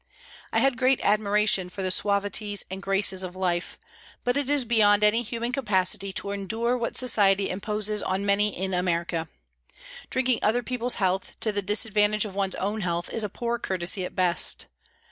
I had great admiration for the suavities and graces of life, but it is beyond any human capacity to endure what society imposes upon many in America. Drinking other people's health to the disadvantage of one's own health is a poor courtesy at best.